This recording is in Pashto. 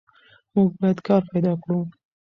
موږ باید کار پیدا کړو.